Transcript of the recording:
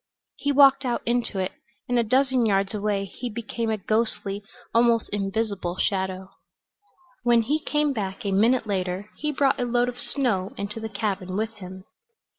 He walked out into it, and a dozen yards away he became a ghostly, almost invisible shadow. When he came back a minute later he brought a load of snow into the cabin with him.